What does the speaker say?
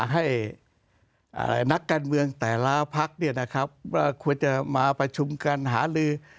ให้อ่านักการเมืองแต่ละพักเนี่ยนะครับว่าควรจะมาประชุมกันหาลือ